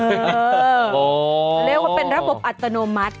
เรียกว่าเป็นระบบอัตโนมัติ